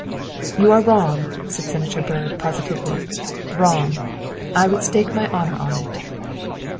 " You are wrong," said Senator Byrd positively, " wrong. I would stake my honor on it."